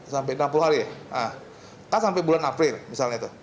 sampai enam puluh kali kan sampai bulan april misalnya